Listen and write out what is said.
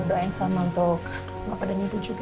doa yang sama untuk bapak dan ibu juga